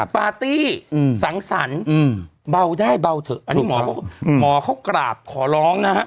ปาร์ตี้สังสรรค์เบาได้เบาเถอะอันนี้หมอเขากราบขอร้องนะฮะ